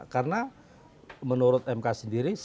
karena menurut mk sendiri